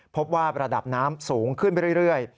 พบว่าระดับน้ำสูงขึ้นไปเรื่อย